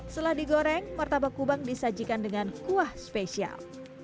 setelah digoreng martabak kubang disajikan dengan kuah spesial